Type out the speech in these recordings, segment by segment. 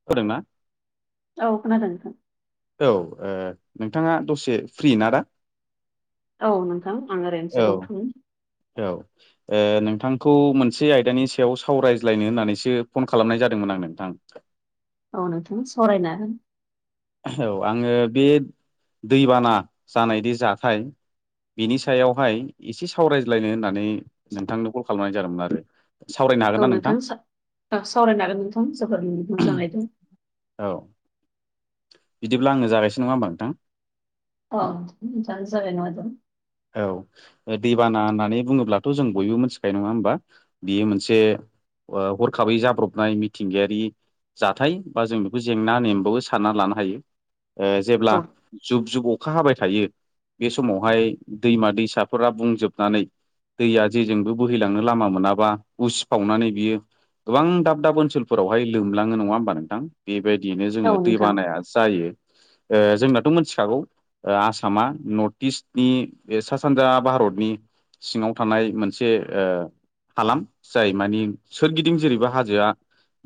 [unintelligible] औ खोनादों नोंथां। औ ओ नोंथाङा दसे फ्रि ना दा? औ नोंथां आं ओरैनोसो औ दंथयो। औ ओ नोंथांखौ मोनसे आयदानि सायाव सावरायज्लायनो होननानैसो फन खालामनाय जादोंमोन आं नोंथां। औ नोंथां सावरायना औ आङो बे दैबाना जानायदि जाथाय बिनि सायावहाय एसे सावरायज्लायनो होननानै नोंथांनो कल खालामनाय जादोंमोन आरो। सावरायनो हागोन औ ना नोंथां सावरायनो हागोन नोंथां जोबोद मोजाङै दों। औ बिदिब्ला आं जागायसै नङा होमबा नोंथां। अ [unintelligible] औ दैबाना होननानै बुङोब्लाथ' जों बयबो मिथिखायो नङा होमबा? बियो मोनसे ओ हरखाबै जाब्रबनाय मिथिंगायारि जाथाय बा जों बेखौ जेंना नेमबो सानना लानो हायो। ओ जेब्ला औ जुब जुब अखा हाबाय थायो बे समावहाय दैमा दैसाफोरा बुंजोबनानै दैया जेजोंबो बोहैलांनो लामा मोनाबा उसिफावनानै बियो गोबां दाब दाब ओनसोलफोरावहाय लोमलाङो। नङा होमबा नोंथां? बेबायदियैनो औ जोङो दै नोंथां बानाया जायो। ओ जोंनाथ' मिथिखागौ ओ आसामा नर्थ इस्टनि बे सा सानजा भारतनि सिङाव थानाय मोनसे ओ हालाम। जाय माने सोरगिदिं जेरैबो हाजोआ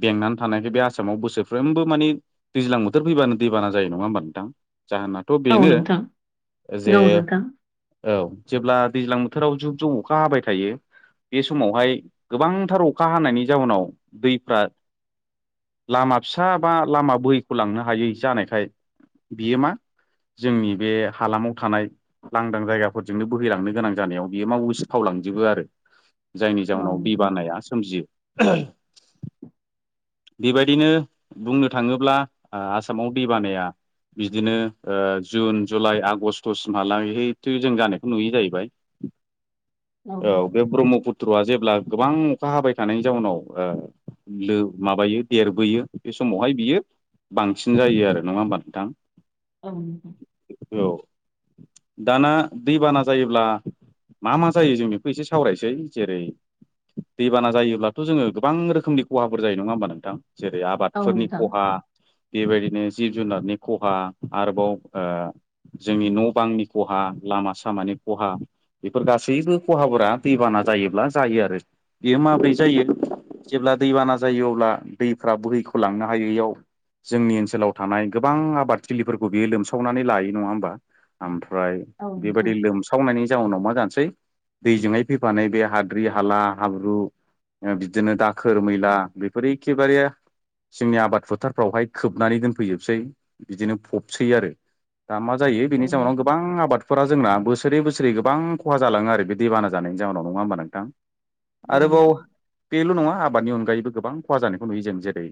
बेंनानै थानायखाय बे आसामाव बोसोरफ्रोमबो माने दैज्लां बोथोर फैबानो दैबाना जायो। नङा होमबा नोंथां? जाहोनाथ' औ बेनो नोंथां जे औ नोंथां औ, जेब्ला दैज्लां बोथोराव जुब जुब अखा हाबाय थायो बे समावहाय गोबांथार अखा हानायनि जाउनाव दैफ्रा लामा फिसा बा लामा बोहैख' लांनो हायै जानायखाय बियो मा जोंनि बे हालामाव थानाय लां दां जायगाफोरजोंनो बोहैलांनो गोनां जानायाव बियो मा उसिफाव लांजोबो आरो। जायनि औ जाउनाव दै नोंथां बानाया सोमजियो। बेबायदिनो बुंनो थाङोब्ला ओ आसामाव दै बानाया बिदिनो ओ जुन जुलाइ आगष्ट'सिमहालागै थु जों जानायखौ नुयो जाहैबाय। औ बे ब्रह्मपुत त्रआ जेब्ला गोबां अखा हाबाय थानायनि जाउनाव ओ लोब माबायो देरबोयो बे समावहाय बियो बांसिन जायो आरो, नङा होमबा नोंथां? ओं। औ, दाना दैबाना जायोब्ला मा मा जायो जों बेखौ एसे सावरायसै जेरै दैबाना जायोब्लाथ' जोङो गोबां रोखोमनि खहाफोर जायो। नङा होमबा नोंथां? जेरै औ नोंथां औ आबादफोरनि नोंथां खहा बेबायदिनो जिब जुनारनि खहा आरोबाव ओ जोंनि न' बांनि खहा लामा सामानि खहा बेफोर गासैबो खहाफोरा दैबाना जायोब्ला जायो आरो। बेयो माब्रै जायो जेब्ला दैबाना जायो अब्ला दैफ्रा बोहैख' लांनो हायैयाव जोंनि ओनसोलाव थानाय गोबां आबादथिलिफोरखौ बियो लोमसावनानै लायो। नङा होमबा? आम फ्राय औ नोंथां औ नोंथां औ बेबायदि लोमस सावनायनि जाउनाव मा जानोसै दैजोंहाय फैफानाय बे हाद्रि, हाला, हाब्रु ओ बिदिनो दाखोर मैला बेफोर एखेबारे जोंनि आबाद फोथारफ्रावहाय खोबनानै दोनफैजोबसै बिदिनो फबसै आरो। दा मा जायो ओ बेनि जाउनाव गोब बां आबादफोरा जोंना बोसोरै बोसोरै गोबां खहा जालाङो आरो बे दैबाना जानायनि जाउनाव। नङा होमबा नोंथां? आरोबाव बेल' नङा आबादनि अनगायैबो गोबां खहा जानायखौ नुयो जों जेरै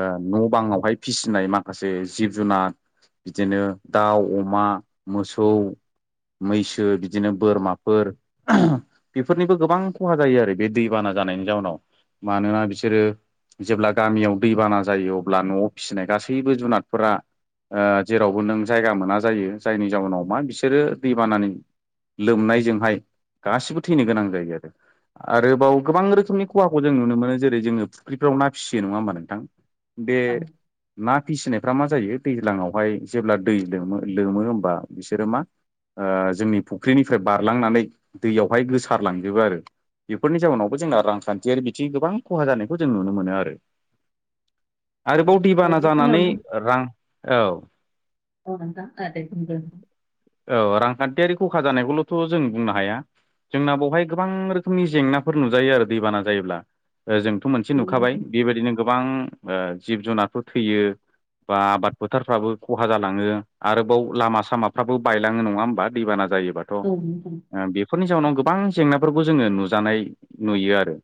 ओ न' बाङावहाय फिसिनाय माखासे जिब जुनाद बिदिनो दाउ, अमा, मोसौ मैसो बिदिनो बोरमाफोर बेफोरनिबो गोबां खहा जायो आरो बे दैबाना जानायनि जाउनाव। मानोना बिसोरो जेब्ला गामियाव दैबाना जायो अब्ला न'आव फिसिनाय गासैबो जुनादफोरा ओ जेरावबो नों जायगा मोना जायो जायनि जाउनाव मा बिसोरो दैबानानि लोमनायजोंहाय गासिबो थैनो गोनां जायो आरो। आरोबाव गोबां रोखोमनि खहाखौ जों नुनो मोनो जेरै जोङो फुख्रिफ्राव ना फिसियो। नङा होमबा नोंथां? [unintelligible] बे ना फिसिनायफ्रा मा जायो दैज्लांङावहाय जेब्ला दै लोमो लोमो होम बा बिसोरो मा ओ जोंनि फुख्रिनिफ्राय बारलांनानै दैयावहाय गोसारलांजोबो आरो। बेफोरनि जाउनावबो जोंना रांखान्थियारि बिथिं गोबां खहा जानायखौ जों नुनो मोनो आरो। आरोबाव दैबाना जानानै बेखिनियावनो रां औ [unintelligible] औ रांखान्थियारि खखा जानायखौल'थ' जों बुंनो हाया। जोंना बहाय गोबां रोखोमनि जेंनाफोर नुजायो आरो दैबाना जायोब्ला। ओ जोंथ' मोनसे नुखाबाय बेबायदिनो गोबां जिब ओ जुनारफोर थैयो। बा आबाद फोथारफ्राबो खहा जालांङो आरोबाव लामा साम सामाफ्राबो बायलांङो नंङा होमबा? दैबाना जायोबाथ' औ नोंथां औ नोंथां ओ बि फोरनि जाउनाव गोबां जेंनाफोरखौ जोंङो नुजानाय नुयो आरो।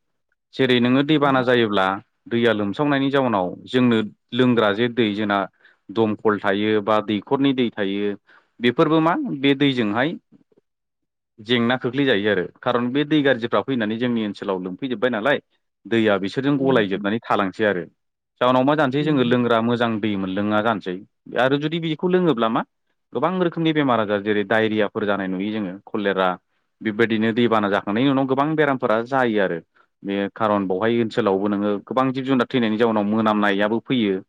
जेरै नोंङो औ दैबाना नोंथां जायोब्ला दैया लोमसावनायनि जाउनाव जोंनो लोंग्रा जे दै जोंना दमखल थायो बा दैखरनि दै थायो। बेफोरबो मा बे दैजोंहाय जेंना खोख्लैजायो आरो खारन बे दै गाज्रिफ्रा फैनानै जोंनि ओनसोलाव लोमफैजोब्बाय नालाय दैया बिसोरजों औ नोंथां औ नोंथां। औ नोंथां। गलायजोबनानै थालांसै आरो जउनाव मा जानोसै जोंङो लोंग्रा मोजां दै मोन लोंङा गानसै आरो जुदि बेखौ लोंङोब्ला मा गोबां रोखोमनि बेमार आजार जेरै डायरियाफोर जानाय नुयो जोंङो कलेरा बेबायदिनो दैबाना जाखांनायनि उनाव गोबां बेरामफोरा जायो आरो। बे खारन बावहाय ओनसोलावबो नोंङो गोबां जिब जुनार थैनायनि जाउनाव मोनामनायाबो फैयो।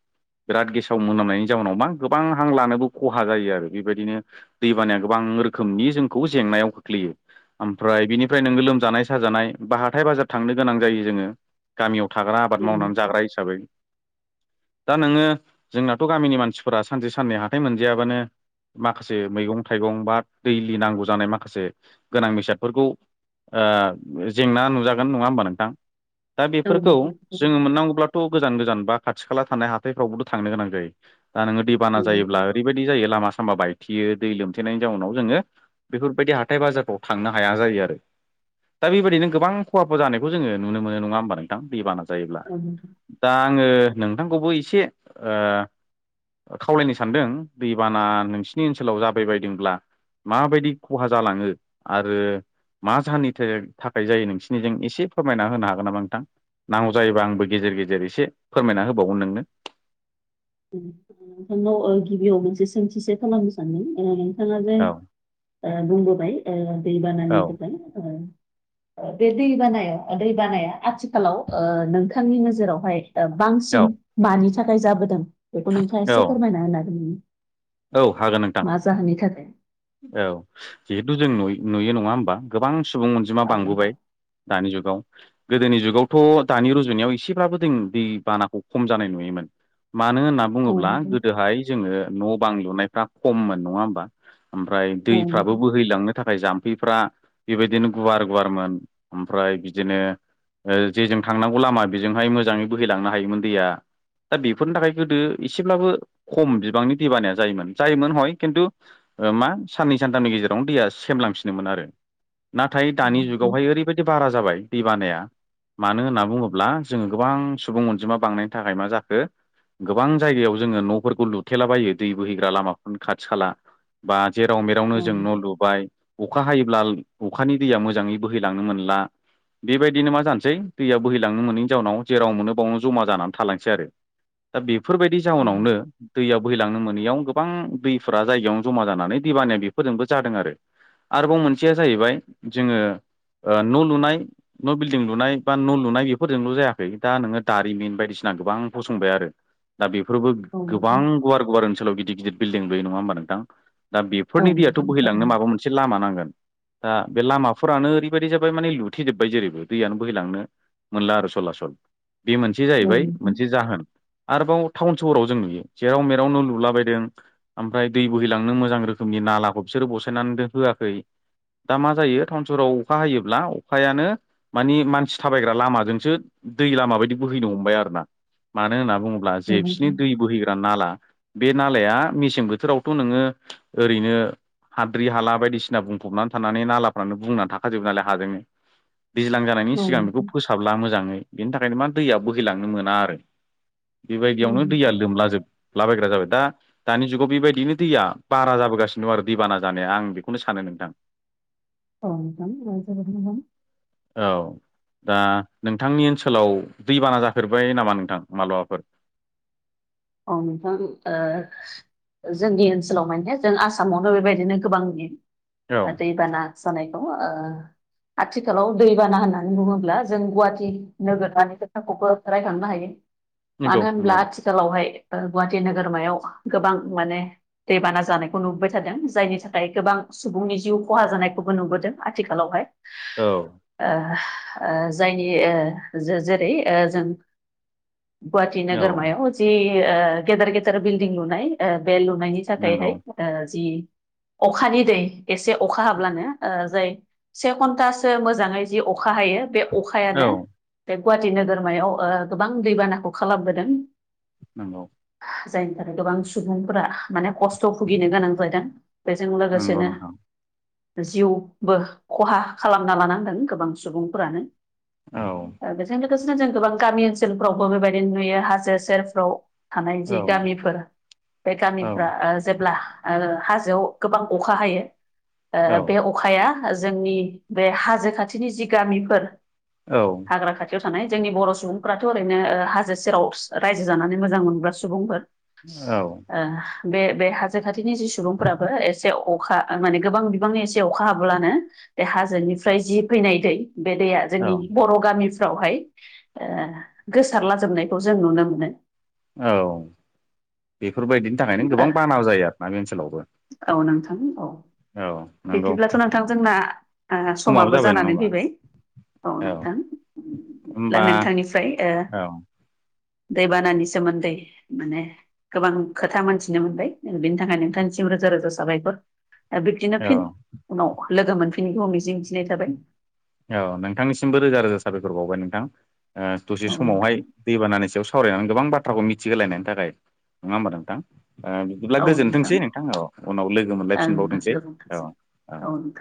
बिराद गेसाव मोनामनायनि जाउनाव मा गोबांहां लानोबो खहा जायो आरो। बेबायदिनो दैबानाया गोबां रोखोमनि जोंखौ जेंनायाव खोख्लैयो। ओमफ्राय बिनिफ्राय नोंङो लोमजानाय साजानाय बा हाथाय बाजार थांनो गोनां जायो जोंङो। गामियाव थाग्रा आबाद औ मावनानै जाग्रा हिसाबै दा नोंङो जोंनाथ' गामिनि मानसिफोरा सानसे साननै हाथाइ मोनजायाबानो माखासे मैगं थाइगं बा दैलि नांगौ जानाय माखासे गोनां बेसादफोरखौ ओ जेंना नुजागोन नंङा होमबा नोंथां दा बेफोरखौ नोंथां। जोंङो मोननांगौब्ला खौ गोजान गोजान बा खाथि खाला थानाय हाथायफ्रावबोथ' थांनो गोनां जायो दा नोंङो औ दैबान जायोब्ला नोंथां। ओरैबायदि दि जायो लामा सामा बायथेयो दै लोमथेनायनि जाउनाव जोंङो बेफोरबायदि हाथाय बाजारफ्राव थांनो हाया जायो आरो। दा बैबायदिनो गोबां खहाफोर जानायखौ जोंङो नुनो मोनो नंङा होमबा नोंथां? दैबाना जायोब्ला। औ नोंथां। दा आंङो नोंथांखौबो एसे ओ खावलायनो सानदों दैबाना नोंसिनि ओनसोलाव जाबाय बायदोंब्ला माबायदि खहा जालांङो आरो मा जाहोननिथो थाखाय जायो नोंसिनिजों एसे फोरमायना होनो हागोन नामा नोंथां? नांगौ जायोबा आंबो गेजेर गेजेर एसे फोरमायना होबावगोन नोंनो। नोंथांनाव गिबियाव मोनसे सोंथि सो खालामनो सानदोंमोन ओ थांङा जे औ ओ बुंबोबाय ओ दै बाना औ [unintelligible] बे दै बानाया दै बानाया आथिखालाव ओ नोंथांनि नोजोरावहाय ओ बांसिन औ मानि थाखाय जाबोदों बेखौ नोंथांङा औ एसे फोरमायना होनो हागोन औ हागोन नोंथां। नामा मा जाहोननि थाखाय औ जिहेथु नुय नुयो नंङा होमबा? गोबां सुबुं अनजिमा औ नोंथां बांबोबाय। दानि जुगाव गोदोनि जुगावथ' दानि रुजुनायाव एसेब्लाबो जों दै बानाखौ खम जानाय नुयोमोन। मानो होनना बुंङोब्ला गोदोहाय जोंङो न' बां लुनायफ्रा खम मोन नंङा होमबा? ओमफ्राय औ नोंथां औ दैफ्राबो बोहैलांनो थाखाय जाम खैफ्रा बेबायदिनो गुवार गुवारमोन ओमफ्राय बिदिनो जे जों थांनांगौ लामा बेजोंहाय मोजांङै बोहैलांनो हायोमोन दैया। दा बेफोरनि थाखाय गोदो एसेब्लाबो खम बिबांनि दैबानाया जायोमोन जायोमोन हय खिन्थु मा साननै सानथामनि गेजेरावनो दैया सेमलांफिनोमोन आरो नाथाय दानि नोंथां जुगावहाय ओरैबायदि बारा जाबाय दै बानाया मानो होनना बुङोब्ला जोङो गोबां सुबुं अनजिमा बांनायनि थाखाय मा जाखो गोबां जायगायाव जोङो न'फोरखौ लुथेलाबायो दै बोहैग्रा लामाफोरनो खाथि खाला बा जेराव मेरावनो औ नोंथां औ नोंथां औ जों न' लुबाय अखा हायोब्ला अखानि दैया मोजाङै बोहैलांनो मोनला बेबायदिनो मा जानोसै दैया बोहैलांनो मोनैनि जाउनाव जेराव मोनो बावनो जमा जानानै थालांसै आरो। [inaudible] दा बेफोरबायदि जाउनावनो दैया बैहैलांनो मोन नैयाव गोबां दैफोरा जायगायावनो जमा जानानै दैबानाया बेफोरजोंबो जादों आरो आरोबाव मोनसेया जाहैबाय जोङो ओ न' लुनाय न' बिल्डिं लुनाय बा न' लुनाय बेफोरजोंल' जायाखै दा नोङो दारिमिन बायदिसिना गोबां फसंबाय आरो दा बेफोरबो औ गोबां नोंथां गुवार गुवार ओनसोलाव गिदिर गिदिर बिल्डिं लुयो नङा होमबा नोंथां दा औ बेफोरनि नोंथां दैयाथ' थारैनो बोहैलांनो माबा मोनसे लामा नांगोन दा बे लामाफोरानो ओरैबायदि जाबाय माने लुथेजोबबाय जेरैबो दैयानो बोैलांनो मोनल आरो सला सल बे मोनसे औ जाहैबाय नोंथां मोनसे जाहोन आरोबाव टाउन सहराव जों नुयो जेराव मेरावनो न' लुला बायदों ओमफ्राय दै बोहैलांनो मोजां रोखोमनि नालाखौ बिसोरो बसायनानै होआखै दा मा जायो टाउन सहाव अखा हायोब्ला अखायानो मानि मानसि थाबायग्रा लामाजोंसो दै लामा बायदि बोहैनो हमबाय आरो ना मानो होनना बुङोब्ला अब्ला औ जे नोंथां औ नोंथां औ नोंथां बिसिनि दै बोहैग्रा नाला बे नालाया मेसें बोथोरावथ' नोङो ओरैनो हाद्रि हाला बायदिसिना बुंफबनानै थानानै नालाफ्रानो बुंनानै थाखाजोबो नालाय हाजोंनो दैज्लां जानायनि औ सिगां बेखौ नोंथां फोसाबला मोजाङै बेनि थाखायनो मा दैया बोहैलांनो मोना आरो बेबायदियावनो दैया जोबोद लोमलाजोबलाबायग्रा जाबाय दा दानि जुगाव बेबायदिनो दैया बारा जाबोगासिनो दं आरो दैबाना जानाया आं बेखौनो सानो नोंथां [unintelligible] औ दा नोंथांनि ओनसोलाव दैबाना जाफेरबाय नामा नोंथां माबलाबाफोर औ नोंथां जोंनि ओनसोलाव माने जों आसामावनो बेबायदिनो गोबांनि औ दैबाना जानायखौ आथिखालाव दैबाना होननानै बुङोब्ला जों गुवाहाटि नोगोरमानि खोथाखौबो रायखांनो हायो नंगौ मानो होनब्ला नंगौ आथिखालावहाय गुवाहाटि नोगोरमायाव गोबां माने दैबाना जानायखौ नुबोबाय थादों जायनि थाखाय गोबां सुबुंनि जिउ खहा जानायखौबो नुबोदों आथिखालावहाय औ ओ ओ जायनि ओ जेरै ओ जों गुवाहाटि औ नोगोरमायाव जि ओ गेदेर गेदेर बिल्डिं लुनाय बे लुनायनि नंगौ थाखायहाय ओ जि अखानि दै एसे अखा हाब्लानो ओ जाय से घन्टासो मोजाङै जि अखा हायो बे औ अखायानो बे गुवाहाटि नोगोरमायाव गोबां दैबानाखौ खालामबोदों नंगौ जायनि थाखाय गोबां सुबुंफोरा माने खस्थ' भुगिनो गोनां जादों। बेजों नंगौ लोगोसेनो नोंथां जिउबो खहा खालामना लानांदों गोबां सुबुंफोरानो औ बेजों लोगोसेनो जों गोबां गामि ओनसोलफ्रावबो बेबायदिनो नुयो हाजो सेरफ्राव थानाय औ जि गामिफोर बे औ गामिफ्रा जेब्ला ओ हाजोआव गोबां अखा हायो ओ बे अख अखाया जोंनि बे हाजो खाथिनि जि गामिफोर औ। हाग्रा खाथियाव थानाय जोंनि बर' सुबुंफोराथ' ओ ओरैनो हाजो सेराव रायजो जानानै मोजां मोजां मोनग्रा सुबुंफोर औ। ओ बे बे हाजो खाथिनि जि सुबुंफ्राबो एसे अखा माने गोबां बिबांनि एसे अखा हाब्लानो बे हाजोनिफ्राय जि फैनाय दै बे दैया औ जोंनि बर' गामिफ्रावहाय ओ गोसारलाजोबनायखौ जों नुनो मोनो। औ बेफोरबायदिनि थाखायनो गोबां बाना जायो आरोना बे ओनसोलावबो। औ नोंथां औ। औ। नंगौ बिदिब्लाथ' नोंथां जोंना ओ समाबो जाबाय नङा जानानै होमबा फैबाय औ नोंथां। अब्ला होमबा नोंथांनिफ्राय ओ औ दैबानानि सोमोन्दै माने गोबां खोथा मोनथिनो मोनबाय बिनि थाखाय नोंथांनिसिम रोजा रोजा साबायखर आरो बिदि फिन औ उनाव लोगो मोनफिननायखौ मिजिंथिनाय जाबाय। औ नोंथांनिसिमबो रोजा रोजा साबायखर बावबाय नोंथां ओ दसे औ समावहाय नोंथां दैबानानि सायाव सावरायनानै गोबां बाथ्राखौ मिथिहोलायनायनि थाखाय नङा होमबा नोंथां ओ बिदिब्ला गोजोनथोंसै नोंथां औ उनाव लोगो ओं मोनलायफिनबावथोंसै औ गोजोनथोंसै औ। नोंथां